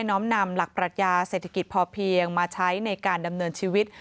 ้อมนำหลักปรัชญาเศรษฐกิจพอเพียงมาใช้ในการดำเนินชีวิต